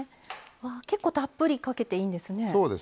結構たっぷりかけていいんですね。